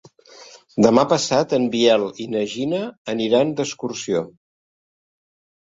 Demà passat en Biel i na Gina aniran d'excursió.